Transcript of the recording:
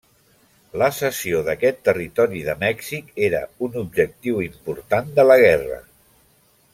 La cessió d'aquest territori de Mèxic era un objectiu important de la guerra.